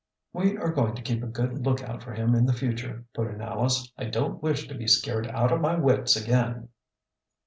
"We are going to keep a good lookout for him in the future," put in Alice. "I don't wish to be scared out of my wits again."